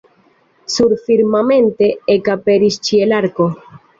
Surfirmamente ekaperis ĉielarko.